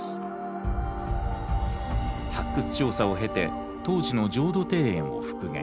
発掘調査を経て当時の浄土庭園を復元。